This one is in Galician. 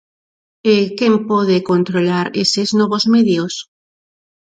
E quen pode controlar eses novos medios?